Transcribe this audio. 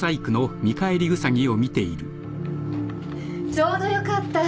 ちょうどよかった。